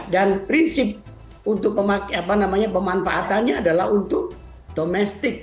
dan prinsip untuk pemanfaatannya adalah untuk domestik